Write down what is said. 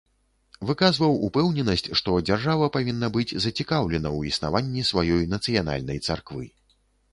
Выказваў упэўненасць, што дзяржава павінна быць зацікаўлена ў існаванні сваёй нацыянальнай царквы.